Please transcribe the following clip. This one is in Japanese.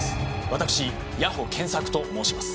私谷保健作と申します。